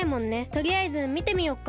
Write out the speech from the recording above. とりあえずみてみようか。